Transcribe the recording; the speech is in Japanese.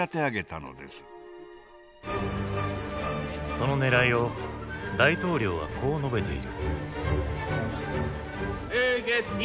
そのねらいを大統領はこう述べている。